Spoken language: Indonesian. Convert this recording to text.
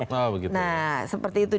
nah seperti itu